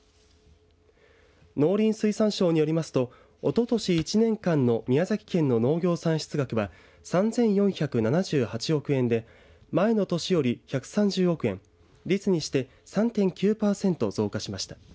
農林水産省によりますとおととし１年間の宮崎県の農業産出額は３４７８億円で前の年より１３０億円率にして３．９パーセント増加しました。